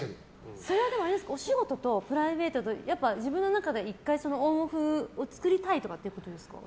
それは、お仕事とプライベートと自分の中で１回、オンオフを作りたいとかってことですか。